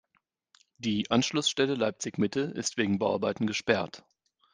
Die Anschlussstelle Leipzig-Mitte ist wegen Bauarbeiten gesperrt.